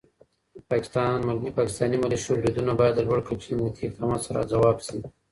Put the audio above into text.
د پاکستاني ملیشو بریدونه باید د لوړ کچې امنیتي اقداماتو سره ځواب شي.